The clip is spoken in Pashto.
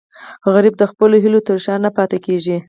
غریب د خپلو هیلو تر شا نه پاتې کېږي